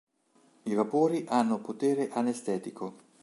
I vapori hanno potere anestetico.